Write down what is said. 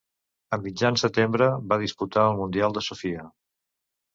A mitjan setembre va disputar el Mundial de Sofia.